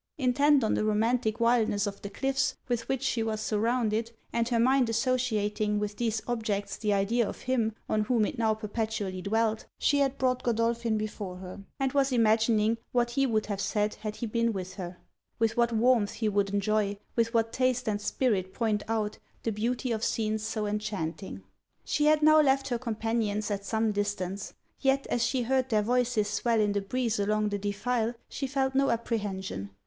Intent on the romantic wildness of the cliffs with which she was surrounded, and her mind associating with these objects the idea of him on whom it now perpetually dwelt, she had brought Godolphin before her, and was imagining what he would have said had he been with her; with what warmth he would enjoy, with what taste and spirit point out, the beauty of scenes so enchanting! She had now left her companions at some distance; yet as she heard their voices swell in the breeze along the defile, she felt no apprehension.